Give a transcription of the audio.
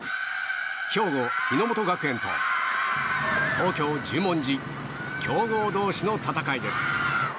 兵庫・日ノ本学園と東京・十文字強豪同士の戦いです。